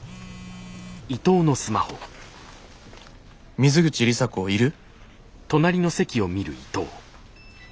「水口里紗子いる？」。